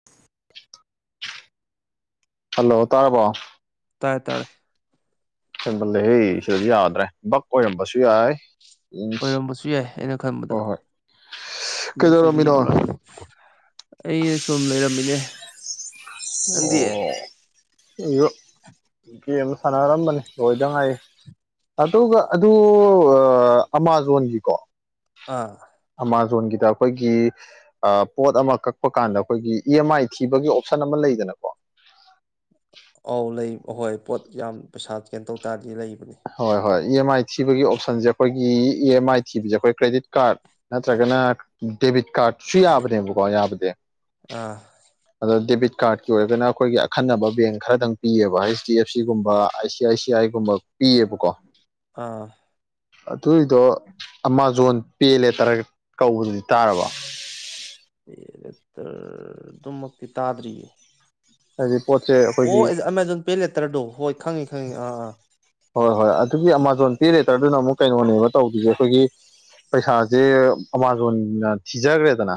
[inaudible] hello ꯇꯥꯔꯕꯣ ꯇꯥꯔꯦ ꯇꯥꯔꯦ ꯍꯦꯟꯃꯜꯂꯦꯍꯦ ꯁꯤꯗꯗꯤ ꯌꯥꯗ꯭ꯔꯦ ꯕꯛ ꯑꯣꯏꯔꯝꯕꯁꯨ ꯌꯥꯏ ꯏꯁ ꯑꯣꯏꯔꯝꯕꯁꯨ ꯌꯥꯏ ꯑꯩꯅ ꯈꯟꯕꯗ ꯍꯣꯏ ꯍꯣꯏ ꯀꯩꯗꯧꯔꯝꯃꯤꯅꯣ ꯑꯩꯁꯦ ꯁꯨꯝ ꯂꯩꯔꯝꯃꯤꯅꯦ ꯑꯣ ꯅꯪꯗꯤ [unintelligible] ꯒꯦꯝ ꯁꯥꯟꯅꯔꯝꯕꯅꯦ ꯂꯣꯏꯗ ꯉꯥꯏꯔꯦ ꯑꯗꯨꯒ ꯑꯗꯨ ꯑꯃꯥꯥꯖꯣꯟꯒꯤꯀꯣ ꯑꯥ ꯑꯃꯥꯖꯣꯟꯒꯤꯗ ꯑꯩꯈꯣꯏꯒꯤ ꯑ ꯄꯣꯠ ꯑꯃ ꯀꯛꯄ ꯀꯥꯟꯗ ꯑꯩꯈꯣꯏꯒꯤ ꯏ ꯑꯦꯝ ꯑꯥꯏ ꯊꯤꯕꯒꯤ ꯑꯣꯞꯁꯟ ꯑꯃ ꯂꯩꯗꯅꯀꯣ ꯑꯧ ꯂꯩꯕ ꯍꯣꯏ ꯄꯣꯠ ꯌꯥꯝ ꯄꯩꯁꯥ ꯀꯩꯅꯣ ꯇꯧ ꯇꯥꯔꯗꯤ ꯂꯩꯕꯅꯦ ꯍꯣꯏ ꯍꯣꯏ ꯏ ꯑꯦꯝ ꯑꯥꯏ ꯊꯤꯕꯒꯤ ꯑꯣꯞꯁꯟꯁꯦ ꯑꯩꯈꯣꯏꯒꯤ ꯏ ꯑꯦꯝ ꯑꯥꯏ ꯊꯤꯕꯁꯦ ꯑꯩꯈꯣꯏ ꯀ꯭ꯔꯦꯗꯤꯠ ꯀꯥꯔꯠ ꯅꯠꯇ꯭ꯔꯒꯅ ꯗꯦꯕꯤꯠ ꯀꯥꯔꯠꯁꯨ ꯌꯥꯕꯅꯦꯕꯀꯣ ꯌꯥꯕꯗꯤ ꯑꯥ ꯑꯗꯣ ꯗꯦꯕꯤꯠ ꯀꯥꯔꯠꯀꯤ ꯑꯣꯏꯔꯒꯅ ꯑꯩꯈꯣꯏꯒꯤ ꯑꯈꯟꯅꯕ ꯕꯦꯡ ꯈꯔꯗꯪ ꯄꯤꯌꯦꯕ ꯍꯩꯁ ꯗꯤ ꯑꯦꯐ ꯁꯤꯒꯨꯝꯕ ꯑ ꯁꯤ ꯑꯥꯏ ꯁꯤ ꯑꯥꯏꯒꯨꯝꯕ ꯄꯤꯌꯦꯕꯀꯣ ꯑꯥ ꯑꯗꯨꯏꯗꯣ ꯑꯃꯥꯥꯖꯣꯟ ꯄꯦ ꯂꯦꯇꯔ ꯀꯧꯕꯗꯨꯗꯤ ꯇꯥꯔꯕꯣ ꯄꯦ ꯂꯦꯇꯔ ꯑꯗꯨꯃꯛꯇꯤ ꯇꯥꯗ꯭ꯔꯤꯌꯦ ꯍꯥꯏꯗꯤ ꯄꯣꯠꯁꯦ ꯑꯣ ꯑꯩꯈꯣꯏꯒꯤ ꯑꯩ ꯑꯃꯥꯖꯣꯟ ꯄꯦ ꯂꯦꯇꯔꯗꯣ ꯍꯣꯏ ꯈꯪꯉꯤ ꯈꯪꯉꯤ ꯑꯥ ꯑꯥ ꯍꯣꯏ ꯍꯣꯏ ꯑꯗꯨꯒꯤ ꯑꯃꯥꯃꯥꯖꯣꯟ ꯄꯦ ꯂꯦꯇꯔꯗꯨꯅ ꯑꯃꯨꯛ ꯀꯩꯅꯣꯅꯦꯕ ꯇꯧꯗꯣꯏꯁꯦ ꯑꯩꯈꯣꯏꯒꯤ ꯄꯩꯁꯥꯁꯦ ꯑꯝꯃꯥꯖꯣꯟꯅ ꯊꯤꯖꯈ꯭ꯔꯦꯗꯅ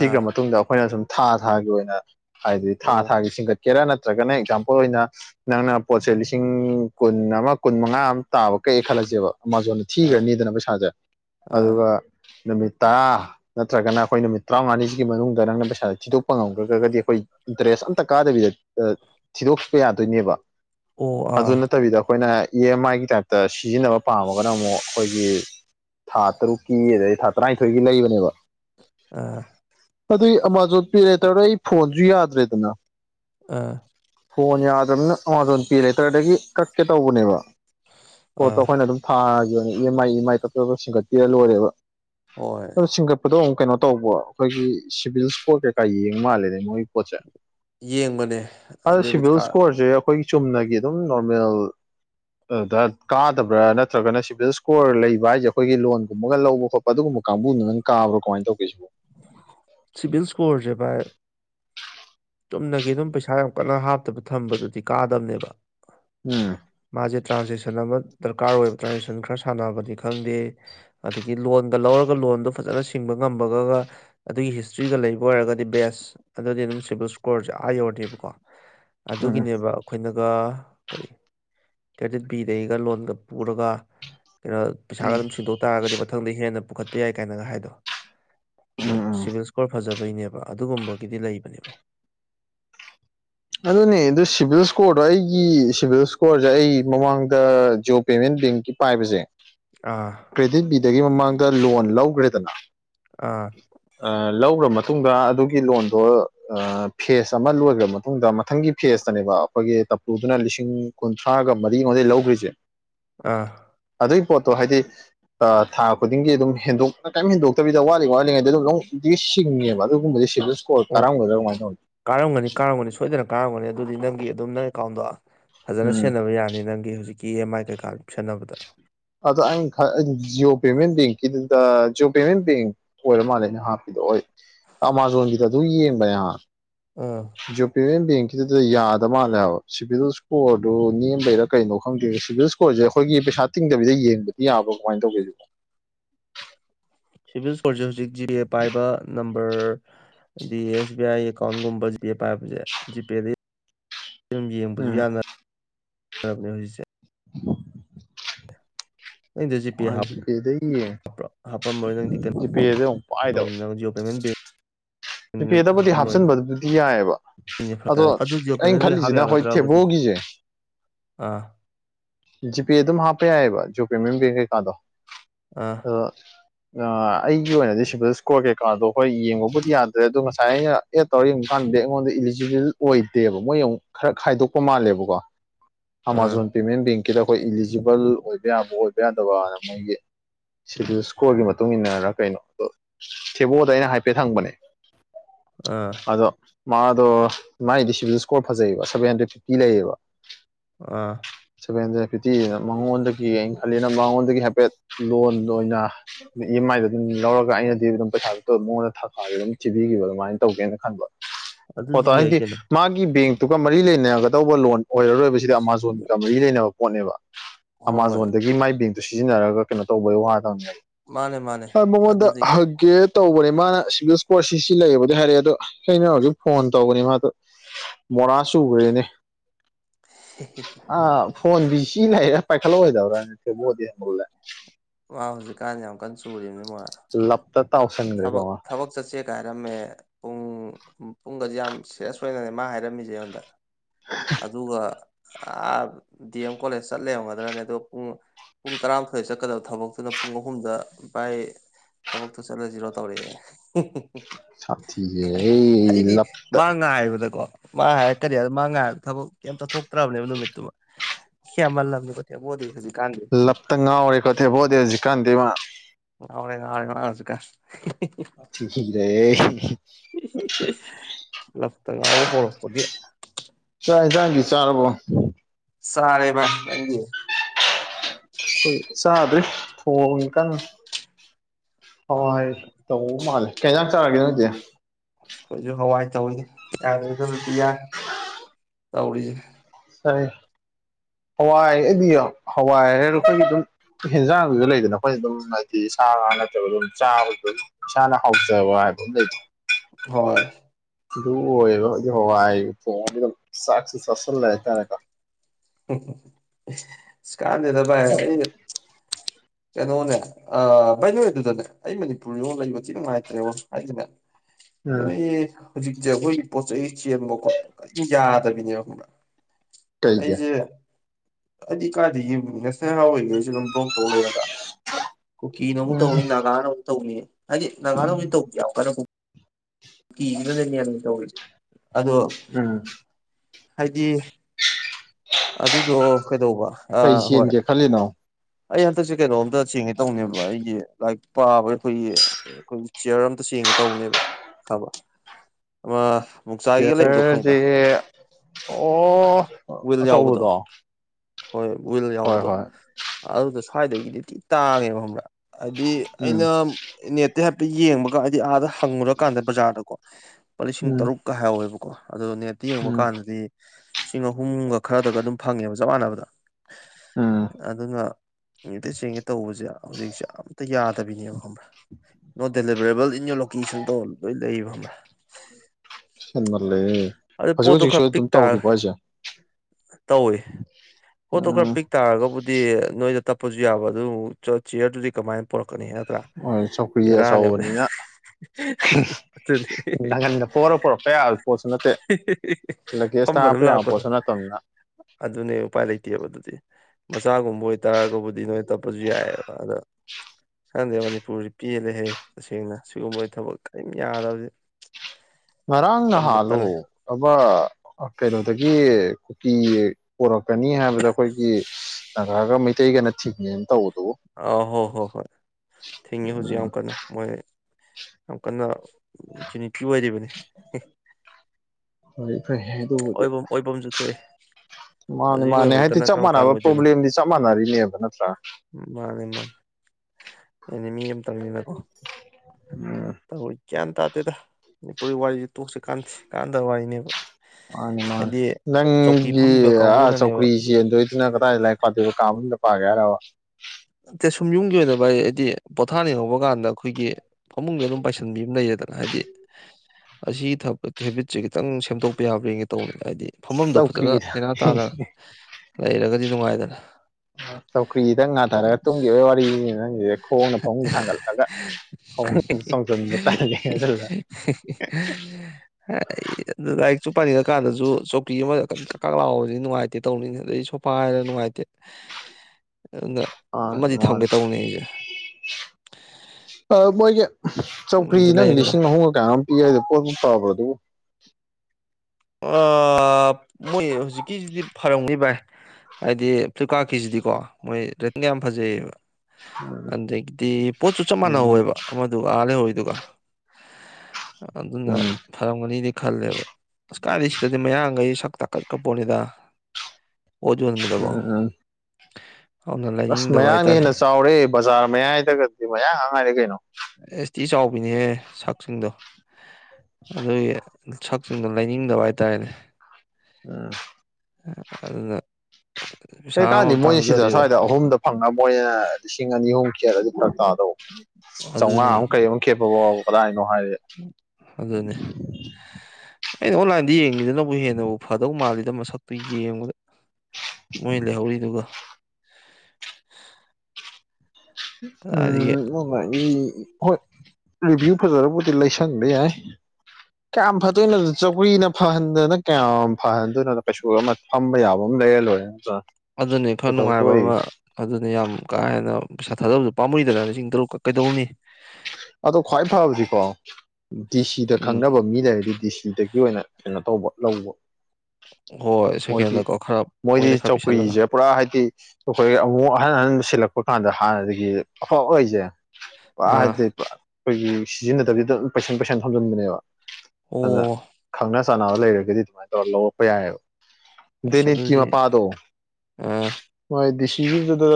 ꯑꯥ ꯃꯇꯨꯡꯗ ꯑꯩꯈꯣꯏꯅ ꯁꯨꯝ ꯊꯥ ꯊꯥꯒꯤ ꯑꯣꯏꯅ ꯍꯥꯏꯗꯤ ꯊꯥ ꯑꯥ ꯑꯣ ꯊꯥꯒꯤ ꯁꯤꯡꯒꯠ ꯀꯦꯔꯥ ꯅꯠꯇ꯭ꯔꯒꯅ ꯑꯦꯛꯖꯥꯝꯄꯜ ꯑꯣꯏꯅ ꯅꯪꯅ ꯄꯣꯠꯁꯦ ꯂꯤꯁꯤꯡ ꯀꯨꯟ ꯑꯃ ꯀꯨꯟ ꯃꯉꯥ ꯑꯃ ꯇꯥꯕ ꯀꯛꯑꯦ ꯈꯜꯂꯁꯦꯕ ꯑꯃꯥꯖꯣꯟꯅ ꯑꯥ ꯊꯤꯈ꯭ꯔꯅꯤꯗꯅ ꯄꯩꯁꯥꯁꯦ ꯑꯥ ꯑꯗꯨꯒ ꯅꯨꯃꯤꯠ ꯇꯔꯥ ꯅꯠꯇ꯭ꯔꯒꯅ ꯑꯩꯈꯣꯏ ꯅꯨꯃꯤꯠ ꯇꯔꯥꯃꯉꯥꯅꯤꯁꯤꯒꯤ ꯃꯅꯨꯡꯗ ꯅꯪꯅ ꯄꯩꯁꯥ ꯊꯤꯗꯣꯛꯄ ꯉꯝꯈ꯭ꯔꯒꯗꯤ ꯑꯩꯈꯣꯏ ꯏꯟꯇꯔꯦꯁ ꯑꯝꯇ ꯀꯥꯗꯕꯤꯗ ꯊꯤꯗꯣꯛꯄ ꯌꯥꯗꯣꯏꯅꯦꯕ ꯑꯣ ꯑꯗꯨ ꯑꯥ ꯅꯠꯇꯕꯤꯗ ꯑꯩꯈꯣꯏꯅ ꯏ ꯑꯦꯝ ꯑꯥꯏꯒꯤ ꯇꯥꯏꯞꯇ ꯁꯤꯖꯤꯟꯅꯕ ꯄꯥꯝꯃꯒꯅ ꯑꯃꯨꯛ ꯑꯩꯈꯣꯏꯒꯤ ꯊꯥ ꯇꯔꯨꯛꯀꯤ ꯑꯗꯩꯗꯤ ꯊꯥ ꯇꯔꯥꯅꯤꯊꯣꯏꯒꯤ ꯂꯩꯕꯅꯦꯕ ꯑꯥ ꯑꯗꯨꯏ ꯑꯃꯥꯖꯣꯟ ꯄꯦ ꯂꯦꯇꯔꯗꯣ ꯑꯩ ꯐꯣꯟꯁꯨ ꯌꯥꯗ꯭ꯔꯦꯗꯅ ꯑ ꯐꯣꯟ ꯌꯥꯗ꯭ꯔꯝꯅꯤꯅ ꯑꯃꯥꯥꯖꯣꯟ ꯄꯦ ꯂꯩꯇꯔꯗꯒꯤ ꯀꯛꯀꯦ ꯇꯧꯕꯅꯦꯕ ꯄꯣꯠꯇꯣ ꯑꯥ ꯑꯩꯈꯣꯏꯅ ꯑꯗꯨꯝ ꯊꯥꯒꯤ ꯑꯣꯏꯅ ꯏ ꯑꯦꯝ ꯑꯥꯏ ꯏ ꯑꯦ ꯃꯥꯏ ꯀꯛ ꯇꯛ ꯇꯛ ꯁꯤꯡꯒꯠꯄꯤꯔ ꯂꯣꯏꯔꯦꯕ ꯍꯣꯏ ꯑꯗꯣ ꯁꯤꯡꯒꯠꯄꯗꯣ ꯑꯃꯨꯛ ꯀꯩꯅꯣ ꯇꯧꯕ ꯑꯩꯈꯣꯏꯒꯤ ꯁꯤꯚꯤꯜ ꯁꯄꯣꯔꯠ ꯀꯩꯀꯥ ꯌꯦꯡ ꯃꯥꯜꯂꯦꯅꯦ ꯃꯣꯏꯒꯤ ꯄꯣꯠꯁꯦ ꯌꯦꯡꯕꯅꯦ ꯑꯗꯣ ꯗꯦꯕꯤꯠ ꯁꯤꯚꯤꯜ ꯀꯥꯔꯠ ꯏꯁꯀꯣꯔꯁꯦ ꯑꯩꯈꯣꯏꯒꯤ ꯆꯨꯝꯅꯒꯤ ꯑꯗꯨꯝ ꯅꯣꯔꯃꯦꯜ ꯑꯗꯨꯗ ꯀꯥꯗꯕ꯭ꯔꯥ ꯅꯠꯇ꯭ꯔꯒꯅ ꯁꯤꯚꯤꯜ ꯏꯁ꯭ꯀꯣꯔ ꯂꯩꯕ ꯍꯥꯏꯁꯦ ꯑꯩꯈꯣꯏꯒꯤ ꯂꯣꯟꯒꯨꯝꯕꯒ ꯂꯧꯕ ꯈꯣꯠꯄ ꯑꯗꯨꯒꯨꯝꯕ ꯀꯥꯡꯕꯨꯅ ꯅꯪ ꯀꯥꯕ꯭ꯔꯣ ꯀꯃꯥꯏꯅ ꯇꯧꯒꯦꯁꯤꯕꯨ ꯁꯤꯚꯤꯜ ꯁ꯭ꯀꯣꯔꯁꯦꯕꯥꯏ ꯆꯨꯝꯅꯒꯤ ꯑꯗꯨꯝ ꯄꯩꯁꯥ ꯌꯥꯝ ꯀꯟꯅ ꯍꯥꯞꯇꯕ ꯊꯝꯕꯗꯨꯗꯤ ꯀꯥꯗꯕꯅꯦꯕ ꯎꯝ ꯃꯥꯁꯦ ꯇ꯭ꯔꯥꯟꯖꯦꯛꯁꯟ ꯑꯃ ꯗꯔꯀꯥꯔ ꯑꯣꯏꯕ ꯇ꯭ꯔꯥꯟꯖꯦꯛꯁꯟ ꯈꯔ ꯁꯥꯟꯅꯕꯅꯤ ꯈꯪꯗꯦ ꯑꯗꯒꯤ ꯂꯣꯟꯒ ꯂꯧꯔꯒ ꯂꯣꯟꯗꯣ ꯐꯖꯅ ꯁꯤꯡꯕ ꯉꯝꯕꯒꯒ ꯑꯗꯨꯒꯤ ꯍꯤꯁꯇ꯭ꯔꯤꯒ ꯂꯩꯕ ꯑꯣꯏꯔꯒꯗꯤ ꯕꯦꯁ ꯑꯗꯨꯗꯤ ꯑꯗꯨꯝ ꯁꯤꯚꯤꯜ ꯏꯁꯀꯣꯔꯁꯦ ꯑꯥ ꯌꯧꯔꯅꯦꯕꯀꯣ ꯎꯝ ꯑꯗꯨꯒꯤꯅꯦꯕ ꯑꯈꯣꯏꯅꯒ ꯀꯔꯤ ꯀ꯭ꯔꯦꯗꯤꯠ ꯕꯤꯗꯗꯒꯤꯒ ꯂꯣꯟꯒ ꯄꯨꯔꯒ ꯀꯩꯅꯣ ꯄꯩꯁꯥꯒ ꯎꯝ ꯑꯗꯨꯝ ꯁꯤꯟꯗꯣꯛ ꯇꯥꯔꯒꯗꯤ ꯃꯊꯪꯗ ꯍꯦ ꯍꯦꯟꯅ ꯄꯨꯈꯠꯄ ꯌꯥꯏ ꯀꯥꯏꯅꯒ ꯍꯥꯏꯗꯣ ꯃꯣꯏ ꯎꯝ ꯎꯝ ꯁꯤꯚꯤꯜ ꯏꯁꯀꯣꯔ ꯐꯖꯕꯩꯅꯦꯕ ꯑꯗꯨꯒꯨꯝꯕꯒꯤꯗꯤ ꯂꯩꯕꯅꯦꯕ ꯑꯗꯨꯅꯦ ꯑꯗꯨ ꯁꯤꯚꯤꯜ ꯏꯁꯀꯣꯔꯗꯣ ꯑꯩꯒꯤ ꯁꯤꯚꯤꯜ ꯏꯁꯀꯣꯔꯁꯦ ꯑꯩ ꯃꯃꯥꯡꯗ ꯖꯣ ꯄꯦꯃꯦꯟ ꯕꯦꯡꯀꯤ ꯄꯥꯏꯕꯁꯦ ꯑꯥ ꯀ꯭ꯔꯦꯗꯤꯠ ꯕꯤꯗꯒꯤ ꯃꯃꯥꯡꯗ ꯂꯣꯟ ꯂꯧꯒ꯭ꯔꯦꯗꯅ ꯑꯥ ꯂꯧꯈ꯭ꯔ ꯃꯇꯨꯡꯗ ꯑꯗꯨꯒꯤ ꯂꯣꯟꯗꯣ ꯐꯦꯁ ꯑꯃ ꯂꯣꯏꯈ꯭ꯔ ꯃꯇꯨꯡꯗ ꯃꯊꯪꯒꯤ ꯐꯦꯁꯇꯅꯦꯕ ꯑꯩꯈꯣꯏꯒꯤ ꯇꯝꯄꯨꯗꯨꯅ ꯂꯤꯁꯤꯡ ꯀꯨꯟꯊ꯭ꯔꯥꯒ ꯃꯔꯤ ꯑꯩꯉꯣꯟꯗꯩ ꯂꯧꯈ꯭ꯔꯤꯁꯦ ꯑꯥ ꯑꯗꯨꯒꯤ ꯄꯣꯠꯇꯣ ꯍꯥꯏꯗꯤ ꯊꯥ ꯈꯨꯗꯤꯡꯒꯤ ꯑꯗꯨꯝ ꯍꯦꯟꯗꯣꯛ ꯀꯩꯝ ꯍꯦꯟꯗꯣꯛꯇꯕꯤꯗ ꯋꯥꯠꯂꯤꯉꯩ ꯋꯥꯠꯂꯤꯉꯩꯗ ꯢꯁ ꯁꯤꯡꯉꯦꯕ ꯑꯗꯨꯒꯨꯝꯕꯗꯤ ꯁꯤꯚꯤꯜ ꯁꯀꯣꯔ ꯑꯣ ꯀꯔꯝꯒꯗꯥ ꯀꯃꯥꯏꯅ ꯇꯧꯅꯤ ꯀꯥꯔꯝꯒꯅꯤ ꯀꯥꯔꯝꯒꯅꯤ ꯁꯣꯏꯗꯅ ꯀꯥꯔꯝꯒꯅꯤ ꯑꯗꯨꯗꯤ ꯅꯪꯒꯤ ꯑꯗꯨꯝ ꯅꯪ ꯑꯦꯀꯥꯎꯟꯗꯣ ꯐꯖꯅ ꯎꯝ ꯁꯦꯟꯅꯕ ꯌꯥꯅꯤ ꯅꯪꯒꯤ ꯍꯧꯖꯤꯛꯀꯤ ꯏ ꯑꯦꯝ ꯑꯥꯏ ꯀꯩꯀꯥ ꯁꯦꯟꯅꯕꯗ ꯑ ꯗ ꯑꯩ ꯖꯤꯑꯣ ꯄꯦꯃꯦꯟ ꯕꯦꯡꯀꯤꯗ ꯖꯤꯑꯣ ꯄꯦꯃꯦꯟ ꯕꯦꯡ ꯑꯣꯏꯔ ꯃꯥꯜꯂꯦꯅꯦ ꯍꯥꯞꯄꯤꯗꯣ ꯍꯣꯢ ꯑꯃꯥꯃꯥꯖꯣꯟꯒꯤꯗ ꯑꯗꯨꯝ ꯌꯦꯡꯕꯅꯤ ꯍꯥ ꯑꯥ ꯄꯦꯃꯦꯟ ꯕꯦꯡꯀꯤꯗꯨꯗ ꯌꯥꯗ ꯃꯥꯜꯂꯦꯕ ꯁꯤꯚꯤꯜ ꯏꯁ꯭ꯀꯣꯔꯗꯨ ꯅꯦꯝꯕꯩꯔꯥ ꯀꯩꯅꯣ ꯈꯪꯗꯦ ꯁꯤꯚꯤꯜ ꯏꯁꯀꯣꯔꯁꯦ ꯑꯈꯣꯏꯒꯤ ꯄꯩꯁꯥ ꯇꯤꯡꯗꯕꯤꯗ ꯌꯦꯡꯕꯗꯤ ꯌꯥꯕ꯭ꯔꯣ ꯀꯃꯥꯏꯅ ꯇꯧꯒꯦ ꯁꯤꯚꯤꯜ ꯏꯁꯀꯣꯔꯁꯦ ꯍꯧꯖꯤꯛ ꯖꯤ ꯑꯦ ꯄꯥꯏꯕ ꯅꯝꯕꯔ ꯑ ꯑꯦꯁ ꯕꯤ ꯑꯥꯏ ꯑꯦꯀꯥꯎꯟꯒꯨꯝꯕ ꯖꯤ ꯄꯦ ꯄꯥꯏꯕꯁꯦ ꯖꯤꯄꯦꯗ ꯑꯗꯨꯝ ꯌꯦꯡꯕꯁꯨ ꯎꯝ ꯌꯥꯅꯔꯕꯅꯦ ꯍꯧꯖꯤꯛꯁꯦ ꯅꯪꯗꯤ ꯖꯤ ꯄꯦ ꯍꯥꯞ ꯖꯤ ꯄꯦ ꯗꯩ ꯌꯦꯡ ꯍꯥꯞꯄꯃꯣꯏ ꯅꯪꯗꯤ ꯅꯪ ꯖꯤ ꯑꯣ ꯄꯦꯃꯦꯟ [unintelligible] ꯖꯤ ꯄꯦ ꯕꯦꯡꯅꯤꯅ ꯗꯕꯨꯗꯤ ꯍꯥꯞꯄꯝꯃꯣꯏꯅꯦ ꯍꯥꯞꯆꯤꯟꯕꯗꯨꯗꯤ ꯌꯥꯏꯑꯦꯕ ꯃꯤꯅꯦ ꯐꯔꯛ ꯑꯗꯣ ꯇꯥꯏ ꯑꯗꯨ ꯖꯤꯑꯣ ꯑꯩꯅ ꯄꯦꯃꯦꯟ ꯕꯦꯡ ꯍꯥꯞ ꯈꯜꯂꯤꯁꯤꯅ ꯍꯣꯏ ꯌꯥꯒꯗ꯭ꯔꯕ ꯖꯤ ꯊꯦꯕꯣꯒꯤꯁꯦ [unintelligible] ꯑꯥ ꯖꯤꯄꯦ ꯑꯗꯨꯝ ꯍꯥꯞꯄ ꯌꯥꯏꯑꯦꯕ ꯖꯤ ꯑꯣ ꯄꯦꯃꯦꯟ ꯕꯦꯡ ꯀꯩꯀꯥꯗꯣ ꯑꯥ ꯑꯗ ꯑꯩꯒꯤ ꯑꯣꯏꯅꯗꯤ ꯁꯤꯚꯤꯜ ꯏꯁꯀꯣꯔ ꯀꯩꯀꯥꯗꯣ ꯍꯣꯢ ꯌꯦꯡꯕꯕꯨꯗꯤ ꯌꯥꯗ꯭ꯔꯦ ꯑꯗꯣ ꯉꯁꯥꯏ ꯑꯩꯅ ꯑꯦ ꯇꯧꯔ ꯌꯦꯡꯕ ꯀꯥꯟꯗꯗꯤ ꯑꯩꯉꯣꯟꯗ ꯏꯂꯤꯖꯤꯕꯜ ꯑꯣꯏꯗꯦꯕ ꯃꯣꯏ ꯑꯃꯨꯛ ꯈꯔ ꯈꯥꯏꯗꯣꯛꯄ ꯃꯥꯜꯂꯦꯕꯀꯣ ꯑꯥ ꯑꯥꯃꯥꯖꯣꯟ ꯄꯦꯃꯦꯟ ꯕꯦꯡ ꯀꯗ ꯑꯩ꯭ꯈꯣꯏ ꯏꯂꯤꯖꯤꯕꯜ ꯑꯣꯏꯕ ꯌꯥꯕ ꯑꯣꯏꯕ ꯌꯥꯗꯕꯅ ꯃꯣꯏꯒꯤ ꯁꯤꯚꯤꯜ ꯏꯁꯀꯣꯔꯒꯤ ꯃꯇꯨꯡ ꯏꯟꯅꯔ ꯀꯩꯅꯣ ꯑꯗꯣ ꯊꯦꯕꯣꯗ ꯑꯩꯅ ꯍꯥꯏꯐꯦꯠ ꯍꯪꯕꯅꯦ ꯑꯥ ꯑꯗꯣ ꯃꯥꯗꯣ ꯃꯥꯒꯤꯗꯤ ꯁꯤꯚꯤꯜ ꯁ꯭ꯀꯣꯔ ꯐꯖꯩꯑꯕ ꯁꯕꯦꯟ ꯍꯟꯗ꯭ꯔꯦꯠ ꯐꯤꯞꯇꯤ ꯂꯩꯌꯦꯕ ꯑꯥ ꯁꯚꯦꯟ ꯍꯟꯗ꯭ꯔꯦꯗ ꯐꯤꯞꯇꯤ ꯃꯉꯣꯟꯗꯒꯤ ꯑꯩꯅ ꯈꯜꯂꯤꯅ ꯃꯉꯣꯟꯗꯒꯤ ꯍꯥꯏꯐꯦꯠ ꯂꯣꯟꯗ ꯑꯣꯏꯅ ꯏ ꯃꯥꯏ ꯑꯗꯨꯝ ꯂꯧꯔꯒ ꯑꯩꯅꯗꯤ ꯑꯗꯨꯝ ꯄꯩꯁꯥꯗꯨ ꯃꯉꯣꯟꯗ ꯊꯥ ꯊꯥ ꯒꯤ ꯊꯤꯕꯤꯈꯤꯕ ꯑꯗꯨꯃꯥꯏꯅ ꯇꯧꯒꯦꯅ ꯈꯟꯕ ꯑꯣ ꯇ ꯑꯗꯨꯁꯨ ꯌꯥꯏ ꯍꯥꯏꯗꯤ ꯀꯩꯅꯣ ꯃꯥꯒꯤ ꯕꯦꯡꯇꯨꯒ ꯃꯔꯤ ꯂꯩꯅꯒꯗꯧꯕ ꯂꯣꯟ ꯑꯣꯏꯔꯔꯣꯏꯕꯁꯤꯗꯤ ꯑꯃꯥꯖꯣꯟꯒ ꯃꯔꯤ ꯂꯩꯅꯕ ꯄꯣꯠꯅꯦꯕ ꯍꯣꯏ ꯍꯣꯏ ꯑꯃꯥꯖꯣꯟꯗꯒꯤ ꯃꯥꯏ ꯕꯦꯡ ꯑꯗꯨ ꯁꯤꯖꯤꯟꯅꯔꯒ ꯀꯩꯅꯣ ꯇꯧꯕꯩ ꯋꯥ ꯇꯅꯦ ꯃꯥꯅꯦ ꯃꯥꯅꯦ ꯃꯉꯣꯟꯗ ꯑꯗꯨꯗꯤ ꯍꯒꯦꯠ ꯇꯧꯕꯅꯦ ꯃꯥꯅ ꯁꯤꯚꯤꯜ ꯏꯁꯀꯣꯔꯁꯁꯤ ꯁꯤ ꯂꯩꯕꯗꯤ ꯍꯥꯏꯔꯛꯑꯦꯗꯣ ꯑꯩꯅ ꯍꯧꯖꯤꯛ ꯐꯣꯟ ꯇꯧꯕꯅꯦ ꯃꯥꯗꯣ ꯃꯣꯔꯥꯁꯨ ꯎꯈ꯭ꯔꯦꯅꯦ [inaudible] ꯑ ꯐꯣꯟꯗꯤ ꯁꯤ ꯂꯩꯔ ꯄꯥꯏꯈꯠꯂꯛꯑꯣꯣꯏꯗꯕ꯭ꯔꯥꯅꯦ ꯊꯦꯕꯣꯗꯤ ꯍꯒꯨꯜꯂꯦ ꯃꯥ ꯍꯧꯖꯤꯛꯀꯥꯟ ꯌꯥꯝ ꯀꯟꯅ ꯆꯨꯔꯤꯕꯅꯤ ꯃꯣꯏ ꯆꯂꯞ ꯇꯁ ꯊꯕꯛ ꯊꯕꯛ ꯆꯠꯁꯦꯒ ꯍꯥꯏꯔꯝꯃꯦ ꯄꯨꯡ ꯄꯨꯡꯒꯁꯦ ꯌꯥꯝ ꯁꯦꯔꯁ ꯑꯣꯏꯅꯅꯦ ꯃꯥ ꯍꯥꯏꯔꯝꯃꯤꯁꯦ ꯑꯩꯉꯣꯟꯗ ꯑꯗꯨꯒ ꯗꯤ ꯑꯦꯝ ꯀꯣꯂꯦꯖ ꯆꯠꯂꯔꯝꯒꯗ꯭ꯔꯅꯦ ꯑꯗꯣ ꯄꯨꯡ ꯄꯨꯡ ꯇꯔꯥꯃꯥꯊꯣꯏ ꯆꯠꯀꯗꯕ ꯊꯕꯛꯇꯨꯅ ꯄꯨꯡ ꯑꯍꯨꯝꯗ ꯚꯥꯏ ꯊꯕꯛꯇ ꯆꯠꯂꯁꯤꯖꯤꯔꯣ ꯇꯧꯔꯛꯑꯦ ꯁꯊꯤꯔꯦ ꯑꯩꯗꯤ ꯂꯞꯇ ꯃꯥ ꯉꯥꯏꯕꯗꯀꯣ ꯃꯥ ꯍꯥꯏꯔꯛꯀꯗꯤ ꯑꯗ ꯃꯥ ꯉꯥꯏꯕ ꯊꯕꯛ ꯀꯩ ꯆꯠꯊꯣꯛꯇ꯭ꯔꯕꯅꯦꯕ ꯅꯨꯃꯤꯠꯇꯨꯃ ꯀꯌꯥ ꯃꯜꯂ ꯄꯊ ꯃꯣꯗꯤ ꯍꯧꯖꯤ ꯀꯥꯟꯗ ꯦꯇ ꯉꯥꯎꯔꯦ ꯈꯣꯠꯦꯕꯣꯗꯤ ꯍꯧꯖꯤꯛꯀꯥꯟꯗꯤ ꯃꯥ ꯅꯦꯔꯅ ꯍꯧꯖꯀ [unintelligible] ꯂꯞ ꯇꯪ ꯑ ꯍꯧꯔꯄꯒꯤ ꯆ ꯍꯟꯁꯥꯡꯒꯤ ꯆꯥꯔꯕꯣ ꯁꯔꯦ ꯃꯥꯥꯏ ꯅꯗꯤ ꯍꯣꯏ ꯆꯗ꯭ꯔꯦ ꯍꯣꯡ ꯀꯟꯅ ꯍꯋꯥ ꯇꯧꯕ ꯃꯥꯜꯂꯦ ꯀꯩꯗꯥꯛ ꯆꯥꯔꯒꯦ ꯑꯗꯨꯗꯤ ꯑꯩꯈꯣꯏꯁꯨ ꯍꯋꯥꯏ ꯇꯧꯋꯤ ꯌꯥꯗ꯭ꯔꯦꯗ ꯑꯗꯨꯗꯤ ꯌꯥ ꯇꯧꯔꯤꯁꯦ ꯁ ꯍꯋꯥꯏ ꯑꯩꯗꯤ ꯍꯋꯥꯏꯔ ꯑꯩꯈꯣꯏꯒꯤ ꯑꯗꯨꯝ ꯍꯦꯟꯖꯥꯡꯒꯤꯁꯨ ꯂꯩꯗꯅ ꯑꯩꯈꯣꯏꯅ ꯑꯗꯨꯝ ꯍꯥꯏꯗꯤ ꯁꯥ ꯉꯥ ꯅꯠꯇ꯭ꯔꯒ ꯑꯗꯨꯝ ꯆꯥꯕ ꯏꯁꯥꯅ ꯑꯥꯎꯖꯕꯕ ꯂꯩ ꯍꯣꯏ ꯑꯗꯨꯨ ꯑꯣꯏꯔꯣ ꯍꯥꯏꯗꯤ ꯍꯋꯥꯏ ꯊꯣꯡ ꯑꯗꯨꯝ ꯆꯥꯛꯁꯨꯦ ꯆꯥꯁꯤꯜꯂꯦ ꯍꯥꯏꯇꯥꯔꯦꯀꯣ ꯁꯀꯥꯟꯗꯦꯗꯚꯥꯏ ꯀꯩꯅꯣꯅꯦ ꯑ ꯚꯥꯏ ꯅꯣꯏ ꯑꯗꯨꯗꯅꯦ ꯑꯩ ꯃꯅꯤꯄꯨꯔꯤꯔꯣ ꯂꯩꯕꯗꯤ ꯅꯨꯡꯉꯥꯏꯇ꯭ꯔꯦꯕꯣ ꯍꯥꯏꯁꯤꯅꯦ ꯎꯝ ꯅꯣꯏ ꯍꯧꯖꯤꯛꯁꯦ ꯑꯩꯈꯣꯏ ꯄꯣꯠ ꯆꯩꯩ ꯆꯦꯟꯕ ꯈꯣꯠꯄ ꯀꯔꯤ ꯌꯥꯗꯕꯤꯅꯦꯕ ꯈꯪꯕ ꯀꯩꯒꯤ ꯑꯩꯁꯦ ꯑꯩꯗꯤ ꯀꯥꯗ ꯌꯦꯡꯕ ꯅꯦꯁꯅꯦꯜ ꯍꯥꯏꯋꯦꯒꯩꯁꯁꯨ ꯑꯗꯨꯝ ꯕ꯭ꯂꯣꯛ ꯇꯧ ꯂꯩꯔꯦ [inaudible] ꯀꯨꯀꯤꯅ ꯑꯃꯨꯛꯧꯅꯤ ꯎꯝ ꯅꯥꯒꯥꯅ ꯑꯃꯨꯛ ꯇꯧꯅꯤ ꯍꯥꯏꯗꯤ ꯅꯥꯒꯥ ꯂꯣꯗ ꯇꯧꯕ ꯌꯥꯝ ꯀꯟꯅ ꯀꯤꯗꯅꯅꯦꯅꯦ ꯇꯧꯔꯤꯁꯦ ꯑꯗꯣ ꯎꯝ ꯍꯥꯏꯗꯤ ꯑꯗꯨꯗꯣ ꯀꯩꯗꯧꯕ ꯀꯩ ꯑꯥ ꯍꯣꯏ ꯆꯦꯟꯒꯦ ꯈꯜꯂꯤꯅꯣ ꯑꯩ ꯍꯟꯗꯛꯁꯦ ꯀꯩꯅꯣꯝꯇ ꯆꯦꯡꯉꯦ ꯇꯧꯅꯦꯕ ꯑꯩꯒꯤ ꯂꯥꯏꯔꯤꯛ ꯄꯥꯕ ꯑꯩꯈꯣꯏꯒꯤ ꯑꯩꯈꯣꯏꯒꯤ ꯆꯤꯌꯔ ꯑꯝꯇ ꯌꯦꯡꯉꯦ ꯇꯧꯕꯅꯦꯕ ꯊꯕ ꯑꯃ ꯃꯨꯛꯆꯥꯏꯒꯤꯒ ꯂꯩꯕꯗꯣ ꯈꯪꯕ꯭ꯔꯥ ꯁꯤꯌꯔꯁꯦ ꯑꯣ ꯋꯤꯜ ꯌꯥꯎꯕꯗꯣ ꯑꯆꯧꯕꯗꯣ ꯍꯣꯏ ꯋꯤꯜ ꯍꯣꯏ ꯌꯥꯎꯕꯗꯣ ꯍꯣꯏ ꯑꯗꯨꯗ ꯁ꯭ꯋꯥꯏꯗꯒꯤꯗꯤꯗꯤ ꯇꯥꯡꯉꯦꯕ ꯈꯕ꯭ꯔꯥ ꯍꯥꯏꯗꯤ ꯎꯝ ꯑꯩꯅ ꯅꯦꯠꯇ ꯍꯥꯏꯐꯦꯠ ꯌꯦꯡꯕꯒ ꯍꯥꯏꯗꯤ ꯑꯥꯗ ꯐꯪꯉꯨꯔꯀꯥꯟꯗ ꯕꯖꯥꯔꯗꯀꯣ ꯂꯨꯄꯥ ꯂꯤꯁꯤꯡ ꯎꯝ ꯇꯔꯨꯛꯀ ꯍꯥꯏꯍꯋꯦꯕꯀꯣ ꯑꯗꯨ ꯅꯦꯠꯇ ꯌꯦꯡꯕ ꯎꯝ ꯀꯥꯟꯗꯗꯤ ꯂꯤꯁꯤꯡ ꯑꯍꯨꯝꯒ ꯈꯔꯗꯒ ꯑꯗꯨꯝ ꯐꯪꯉꯦꯕ ꯆꯞ ꯃꯥꯟꯅꯕꯗ ꯎꯝ ꯑꯗꯨꯅ ꯃꯇꯩ ꯆꯦꯡꯒꯦ ꯇꯧꯕꯁꯦ ꯍꯧꯖꯤꯛꯁꯦ ꯌꯥꯝ ꯑꯝ ꯌꯥꯗꯕꯤꯅꯦꯕ ꯈꯪꯕ꯭ꯔꯥ not deliverable in your location ꯇꯣ ꯂꯣꯏ ꯂꯩꯌꯦꯕ ꯈꯪꯕ꯭ꯔꯥ ꯁꯦꯟꯃꯜꯂꯦ ꯑꯗꯨ ꯍꯧꯖꯤꯛ ꯄꯣꯠꯇꯣ ꯍꯧꯖꯤꯛꯁꯨ ꯑꯗꯨꯝ ꯇꯧꯔꯤꯕ ꯍꯥꯏꯁꯦ ꯇꯧꯋꯏ ꯄꯣꯠꯇꯣ ꯈꯔ ꯎꯝ ꯄꯤꯛ ꯇꯥꯔꯒꯕꯨꯗꯤ ꯅꯣꯏꯗ ꯇꯞꯄꯁꯨ ꯌꯥꯕ ꯑꯗꯨ ꯆꯤꯌꯔꯗꯨꯗꯤ ꯀꯃꯥꯏꯅ ꯄꯨꯔꯛꯀꯅꯤ ꯅꯠꯇ꯭ꯔꯥ ꯍꯣꯏ ꯆꯧꯀ꯭ꯔꯤ ꯕꯦꯔꯥꯜꯅꯦꯕ [inaudible] ꯑꯆꯧꯕꯅꯤꯅ ꯐꯣꯔꯣ ꯐꯣꯔꯣ ꯀꯌꯥ ꯄꯣꯠꯁꯨ ꯅꯠꯇꯦ ꯂꯒꯦꯖ ꯐꯝꯕ ꯑꯗꯨꯝ ꯇꯔꯥꯄ ꯌꯥ ꯂꯥꯛꯄꯗꯣ ꯄꯣꯠꯁꯨ ꯅꯠꯇꯕꯅꯤꯅ ꯑꯗꯨꯅꯦ ꯎꯄꯥꯏ ꯂꯩꯇꯦꯑꯕ ꯑꯗꯨꯗꯤ ꯃꯆꯥꯒꯨꯝꯕ ꯑꯣꯏꯇꯥꯔꯒꯕꯨꯗꯤ ꯅꯣꯏ ꯇꯞꯄꯁꯨ ꯌꯥꯏꯑꯕ ꯑꯗ ꯈꯟꯗꯦ ꯃꯅꯤꯄꯨꯔꯁꯤ ꯄꯦꯜꯂꯦ ꯍꯩ ꯇꯁꯦꯡꯅ ꯁꯤꯒꯨꯝꯕꯒꯤ ꯊꯕꯛ ꯀꯔꯤꯝ ꯌꯥꯗꯕꯁꯦ ꯉꯔꯥꯡ ꯇꯟꯕꯨ ꯅꯍꯂꯣ ꯇꯜꯂꯦ ꯑꯃꯥ ꯀꯩꯅꯣꯗꯒꯤ ꯀꯨꯀꯤ ꯄꯣꯔꯛꯀꯅꯤ ꯍꯥꯏꯕꯗꯣ ꯑꯩꯈꯣꯏꯒꯤ ꯅꯉꯑꯒ ꯃꯩꯇꯩꯒꯅ ꯊꯤꯡꯉꯦꯅ ꯇꯧꯕꯗꯨ ꯑꯥ ꯍꯣꯏ ꯍꯣꯏ ꯍꯣꯏ ꯊꯦꯡꯉ ꯍꯧꯖꯤꯛ ꯌꯥꯝ ꯀꯟꯅ ꯃꯣꯏ ꯌꯥꯝ ꯀꯟꯅ ꯎ ꯆꯅꯤ ꯀ ꯋꯥꯏꯗꯕꯅꯦ ꯍꯣꯏ ꯐꯔꯦ ꯍꯦ ꯑꯗꯨꯗꯤ ꯑꯣꯏꯐꯝꯁꯨ ꯊꯣꯛꯑꯏ ꯃꯥꯅꯦ ꯃꯥꯅꯦ ꯍꯥꯏꯗꯤ ꯆꯞ ꯃꯥꯟꯅꯕ ꯑꯣꯏꯗꯣꯏꯅꯣ ꯄ꯭ꯔꯣꯕ꯭ꯂꯦꯝꯗꯤ ꯆꯞ ꯃꯥꯟꯅꯔꯤꯅꯦꯕ ꯅꯠꯇ꯭ꯔꯥ ꯃꯥꯅꯦ ꯃꯥ ꯑꯦꯃꯤ ꯇꯪꯅꯤꯅꯀꯣ ꯎꯝ ꯇꯣꯏ ꯀ꯭ꯌꯥ ꯇꯥꯗꯦꯗ ꯄ ꯋꯥꯔꯤꯁꯤ ꯇꯣꯛꯁꯤ ꯀ ꯀꯥꯟꯊꯕ ꯋꯥꯔꯤꯅꯦꯕ ꯃꯥꯅꯦ ꯃꯥꯅꯦ ꯍꯥꯏꯗꯤ ꯆꯧꯀꯤ ꯅꯪꯒꯤ ꯐꯝꯃꯤꯕ ꯀꯥꯡꯕꯨꯅꯅꯦꯕ ꯆꯧꯀ꯭ꯔꯤꯁꯗꯣꯏ ꯅ ꯀꯗꯥ ꯂꯥꯏꯛ ꯀꯥꯗ ꯄꯥꯒꯔ ꯋꯥ ꯑ ꯁꯨꯝ ꯌꯨꯝꯒꯤ ꯑꯣꯏꯅ ꯚ ꯍꯥꯏꯗꯤ ꯄꯣꯊꯥ ꯌꯦꯡꯍꯧꯕ ꯀꯥꯟꯗ ꯑꯩꯈꯣꯏꯒꯤ ꯐꯃꯨꯡꯗ ꯑꯗꯨꯝ ꯄꯥꯏꯁꯟꯕꯤ ꯑꯃ ꯂꯩꯌꯦꯗꯅ ꯍꯥꯏꯗꯤ ꯑꯁꯤ ꯊ ꯍꯦꯕꯤꯠꯁꯦ ꯈꯤꯇꯪ ꯁꯦꯝꯗꯣꯛꯄ ꯌꯥꯕ꯭ꯔꯒ ꯇꯧꯕꯅꯤꯅ ꯍꯥꯏꯗꯤ ꯐꯝꯐꯝꯗꯣ ꯐꯖꯅ ꯆꯧꯀ꯭ꯔꯤꯗ ꯅꯦꯅꯥ ꯇꯥꯅ ꯂꯩꯔꯒꯗꯤ ꯅꯨꯡꯉꯥꯏꯗꯅ ꯆꯧꯀ꯭ꯔꯤꯗꯪ ꯉꯥꯊꯥꯔꯒ ꯇꯨꯡꯒꯤ ꯑꯣꯏ ꯋꯥꯔꯤꯅꯤ ꯅꯪꯒꯤ ꯈꯣꯡꯅ ꯐꯣꯡꯗ ꯊꯥꯡꯒꯠꯂꯒ [unintelligible] ꯁꯥꯎꯖꯟꯕ ꯇꯜꯂꯦ ꯍꯥꯏꯖꯜꯂꯦ ꯍ ꯑꯩ ꯂꯥꯏꯔꯤꯛꯁꯨ ꯄꯥꯅꯤꯡꯉ ꯀꯥꯟꯗꯁꯨ ꯆꯧꯀ꯭ꯔꯤ ꯑꯃ ꯀ ꯀꯥ ꯂꯥꯎꯕꯁꯤ ꯅꯨꯡꯉꯥꯏꯇꯦ ꯇꯧꯕꯅꯤ ꯑꯗꯩꯁꯨ ꯄꯥꯏꯔ ꯅꯨꯡꯉꯥꯏꯇꯦ ꯑꯗꯨ ꯑ ꯑꯃꯗꯤ ꯃꯥꯅꯦ ꯊꯝꯒꯦ ꯇꯧꯕꯅꯤ ꯑꯩꯁꯦ ꯃꯣꯏꯒꯤ ꯆꯧꯀ꯭ꯔꯤ ꯑꯗꯨ ꯅꯪ ꯂꯩꯗꯅ ꯂꯤꯁꯤꯡ ꯑꯍꯨꯝꯒ ꯀꯌꯥꯃ ꯏ ꯄꯣꯠ ꯇꯥꯕ꯭ꯔꯣ ꯑꯗꯨ ꯃꯣꯏ ꯍꯧꯖꯤꯛꯀꯤꯁꯤꯗꯤ ꯐꯔꯝꯒꯤ ꯚꯏ ꯍꯥꯏꯗꯤ ꯐ꯭ꯂꯤꯞꯀꯥꯔꯠꯀꯤꯁꯤꯗꯤꯀꯣ ꯃꯣꯏ ꯔꯦꯇꯤꯡ ꯌꯥꯝ ꯐꯖꯩꯌꯦꯕ ꯎꯝ ꯑꯗꯒꯤꯗꯤ ꯄꯣꯠꯁꯨ ꯆꯞ ꯎꯝ ꯃꯥꯟꯅꯍꯧꯌꯦꯕ ꯑꯃꯗꯨ ꯑꯥ ꯂꯩꯍꯣꯏꯗꯨꯒ ꯑꯗꯨꯅ ꯐꯔꯝꯒꯅꯤꯗꯤ ꯈꯜꯂꯦꯕ ꯑꯁꯀꯥꯗꯤ ꯁꯤꯗꯗꯤ ꯃꯌꯥꯡꯈꯩ ꯁꯛꯇꯛ ꯀꯠꯈꯄꯣꯅꯤꯗ ꯑꯣꯖꯦꯜ ꯃꯂꯕ ꯎꯝ ꯎꯝ ꯑꯁ ꯃꯌꯥꯡꯅ ꯍꯦꯟꯅ ꯆꯥꯎꯔꯦ ꯕꯖꯥꯔ ꯃꯌꯥꯏꯗꯒꯗꯤ ꯃꯌꯥꯡ ꯑꯉꯥꯏꯗ ꯀꯩꯅꯣ ꯑꯦꯁ ꯇꯤ ꯆꯥꯎꯕꯤꯅꯤꯍꯦ ꯁꯛꯁꯤꯡꯗꯣ ꯑꯗꯨꯒꯤ ꯁꯛꯁꯤꯡꯗꯣ ꯂꯩꯅꯤꯡꯗꯕ ꯍꯥꯏꯇꯥꯔꯦꯅꯦ ꯎꯝ ꯑꯗꯨꯅ ꯄꯩꯁꯥ ꯀꯩꯀꯥꯟꯗꯤ ꯑꯃ ꯃꯣꯏꯅ ꯁꯤꯗ ꯇꯥꯡꯖꯔꯤꯕ ꯁ꯭ꯋꯥꯏꯗ ꯑꯍꯨꯝꯗ ꯐꯪꯉꯒ ꯃꯣꯏꯅ ꯂꯤꯁꯤꯡ ꯑꯅꯤ ꯑꯍꯨꯝ ꯈꯦꯠꯗꯤ ꯈꯔ ꯇꯥꯗꯧꯕ ꯑꯗꯨꯅꯤ ꯆꯥꯝꯃꯉꯥ ꯑꯃꯨꯛ ꯀꯔꯤ ꯑꯃꯛ ꯈꯦꯠꯄꯕꯣ ꯀꯗꯥꯏꯅꯣ ꯍꯥꯏꯁ ꯑꯗꯨꯅꯦ ꯑꯩꯅ ꯑꯣꯟꯂꯥꯏꯟꯗ ꯌꯦꯡꯉꯤꯗꯅꯕꯨ ꯍꯦꯟꯅꯕꯨ ꯐꯗꯧ ꯃꯥꯜꯂꯤꯗ ꯃꯁꯛꯇꯨ ꯌꯦꯡꯕꯗ ꯃꯣꯏ ꯂꯩꯍꯧꯔꯤꯗꯨꯒ ꯎꯝ ꯀꯗꯥꯏꯗꯒꯤ [unintelligible] ꯍꫭꯏ ꯃꯤ ꯍꯣꯏ ꯔꯤꯚ꯭ꯌꯨ ꯐꯖꯔꯕꯨꯗꯤ ꯂꯩꯁꯟꯕ ꯌꯥꯏ ꯀꯌꯥꯝ ꯐꯗꫭꯏꯅꫭꯗ ꯆꯧꯀ꯭ꯔꯤꯅ ꯐꯍꯟꯗꯅ ꯀꯌꯥꯝ ꯐꯍꯟꯗꯣꯏꯅꯣꯗ ꯀꯩꯁꯨ ꯑꯃ ꯐꯝꯕ ꯌꯥꯕ ꯑꯃ ꯂꯩꯔꯂꯣꯏꯔꯦ ꯅꯠꯇꯔꯥ ꯑꯗꯨꯅꯤ ꯈꯔ ꯅꯨꯡꯉꯥꯏꯕ ꯑꯃ ꯑꯗꯨꯅꯤ ꯌꯥꯝ ꯀꯥ ꯍꯦꯟꯅ ꯄꯩꯁꯥ ꯊꯥꯗꯕꯁꯨ ꯄꯥꯝꯃꯨꯏꯗꯅ ꯂꯤꯁꯤꯡ ꯇꯔꯨꯛꯀ ꯀꯩꯗꯧꯔꯨꯅꯤ ꯑꯗꯣ ꯈ꯭ꯋꯥꯏ ꯐꯗꯤꯀꯣ ꯗꯤ ꯁꯤꯗ ꯎꯝ ꯈꯪꯅꯕ ꯃꯤ ꯂꯩꯔꯗꯤ ꯗꯤꯁꯤꯗꯒꯤ ꯗꯒꯤ ꯑꯣꯏꯅ ꯀꯩꯅꯣ ꯇꯧꯕ ꯂꯧꯕ ꯍꯣꯏ ꯃꯣꯏꯗꯤ ꯁꯦꯀꯦꯟꯗꯀꯣ ꯈꯔ ꯃꯣꯏꯗꯤ ꯃꯣꯏꯗ ꯈꯔ ꯄꯤꯁꯜꯂꯒ ꯆꯧꯀ꯭ꯔꯤꯁꯦ ꯄꯨꯔꯥ ꯍꯥꯏꯗꯤ ꯑꯩꯈꯣꯏ ꯑꯃꯨꯛ ꯑꯍꯟ ꯑꯍꯟꯕ ꯁꯤꯜꯂꯛꯄ ꯀꯥꯟꯗ ꯍꯥꯟꯅꯗꯒꯤ ꯑꯐꯕ ꯈꯩꯁꯦ ꯄꯔꯥ ꯑꯥ ꯍꯥꯏꯗꯤ ꯑꯩꯈꯣꯏꯒꯤ ꯁꯤꯖꯤꯟꯅꯗꯕꯤꯗ ꯄꯩꯁꯟ ꯄꯩꯁꯟ ꯊꯝꯖꯤꯟꯕꯅꯦꯕ ꯑꯗꯨꯗ ꯑꯣ ꯈꯪꯅ ꯆꯥꯟꯅꯕ ꯂꯩꯔꯒꯗꯤ ꯑꯗꯨꯃꯥꯏꯅ ꯇꯧꯔ ꯂꯧꯔꯛꯄ ꯌꯥꯏꯑ‌ꯦꯕ ꯑꯁ ꯗꯦꯅꯤꯠ ꯀꯤ ꯑꯗꯨꯗꯤ ꯃꯄꯥꯗꯣ ꯑꯥ ꯃꫭꯏ ꯗꯤꯁꯤ ꯒꯤꯗꯨꯗ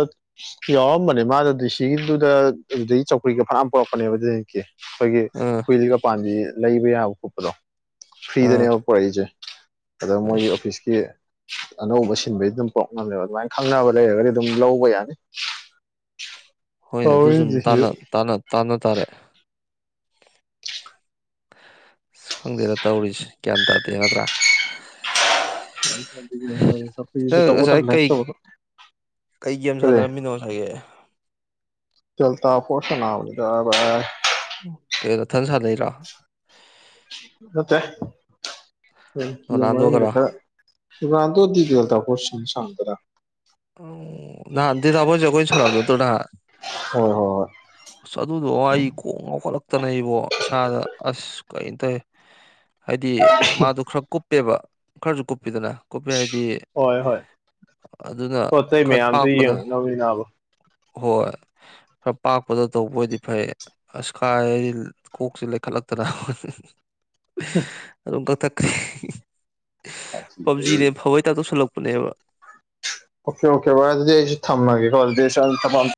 ꯌꯥꯎꯔꯝꯕꯅꯦ ꯃꯥꯗꯨ ꯗꯤ ꯁꯤꯒꯤꯗꯨꯗ ꯑꯗꯩ ꯆꯧꯀ꯭ꯔꯤꯒ ꯐꯅꯌꯥꯝ ꯄꯨꯔꯛꯄꯅꯦꯕ ꯗ‌ꯦꯅꯤꯠꯀꯤ ꯑꯩꯈꯣꯏꯒꯤ ꯑꯥ ꯑꯈꫭꯏꯁꯤ ꯄꯥꯟꯕꯤ ꯂꯩꯕ ꯌꯥꯕ ꯈꯣꯠꯄꯗꯣ ꯑꯥ ꯐ꯭ꯔꯤꯗꯅꯦꯕ ꯄꯨꯔꯛꯏꯁꯦ ꯑꯗꯣ ꯃꯣꯏꯒꯤ ꯑꯁ ꯑꯣꯐꯤꯁ ꯁꯤ ꯑꯅꯧꯕ ꯁꯤꯟꯕꯩ ꯑꯗꯨꯝ ꯄꯣꯔꯛꯅꯕꯅꯦ ꯑꯗꯨꯃꯥꯏꯅ ꯈꯪꯅꯕ ꯂꯩꯔꯒꯗꯤ ꯑꯗꯨꯝ ꯂꯧꯕ ꯌꯥꯅꯤ ꯍꯣꯏ ꯑꯗꯨꯁꯨ ꯇꯧꯔꯤꯁꯦ ꯑꯃꯨꯛ ꯇꯥꯟꯅ ꯇꯥꯟꯅ ꯇꯥꯟꯅ ꯇꯥꯔꯦ ꯑꯁ ꯈꯪꯗꯦꯗ ꯇꯧꯔꯤꯁꯦ ꯒ꯭ꯌꯥꯟ ꯇꯥꯗꯦ ꯅꯠꯇ꯭ꯔꯥ ꯆꯧꯀ꯭ꯔꯤꯕꯨ ꯅꯪ ꯇꯧꯕ ꯉꯁꯥꯏ ꯇꯜꯂꯦ ꯂꯥꯏꯔꯤꯛ ꯀꯩ ꯇꯧꯕꯗꯣ ꯀꯩ ꯒꯦꯝ ꯀꯔꯤ ꯁꯥꯟꯅꯔꯝꯃꯤꯅꯣ ꯑꯩ [unintelligible] ꯀꯩ ꯅꯊꯟ ꯁꯥꯟꯅꯩꯔꯣ ꯅꯠꯇꯦ ꯒ‌ꯦꯝ ꯃꯅꯨꯡꯗ ꯔꯣꯅꯥꯜꯗꯣꯒꯔꯣ ꯈꯔꯥ [unintelligible] [unintelligible] ꯍꫭꯏ ꯍꫭꯏ ꯍꫭꯏ ꯑꯁ ꯑꯗꯨꯗꯣ ꯑꯩ ꯀꯣꯛ ꯉꯥꯎꯈꯠꯂꯛꯇꯅ ꯏꯕꯣ ꯏꯁꯥꯗ ꯑꯁ ꯀꯩꯅꯣꯇꯧꯁ ꯍꯥꯏꯗꯤ ꯃꯥꯗꯣ ꯈꯔ ꯀꯨꯞꯄꯦꯕ ꯈꯔꯁꯨ ꯀꯨꯞꯄꯤꯗꯅ ꯀꯨꯞꯄꯦ ꯍꯥꯏꯗꯤ ꯍꯣꯏ ꯍꯣꯏ ꯑꯗꯨꯅ ꯄꯣꯠ ꯆꯩ ꯈꯔ ꯃꯌꯥꯝꯗꯨ ꯄꯥꯛꯄꯗ ꯌꯦꯡꯉꯛꯅꯕꯅꯤꯅꯕ ꯍꯣꯏ ꯈꯔ ꯄꯥꯛꯄꯗꯨ ꯇꯧꯕ ꯑꯣꯏꯗꯤ ꯐꯩ ꯑꯁ ꯀꯥꯏꯗꯩꯩ ꯀꯣꯛꯁꯤ ꯂꯩꯈꯠꯂꯛꯇꯅꯕ ꯑꯗꯨꯝ ꯀꯛꯊꯠꯈꯔꯦ ꯄꯥꯚꯖꯤꯅ ꯑꯩ ꯍꯦꯟꯅ ꯐꯥꯕꯩ ꯇꯥꯏꯞꯇ ꯇꯣꯛꯁꯤꯟꯂꯛꯄꯅꯦꯕ ꯑꯣꯀꯦ ꯑꯣꯀꯦ ꯕꯥꯏ ꯑꯗꯨꯗꯤ ꯑꯩꯁꯨ ꯊꯝꯃꯒꯦ ꯀꯣ ꯑꯗꯨꯗꯤ ꯁꯣꯝꯗ ꯊꯕꯛ ꯑꯃ